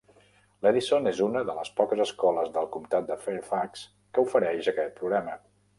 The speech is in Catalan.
L'Edison és una de les poques escoles del comtat de Fairfax que ofereix aquest programa.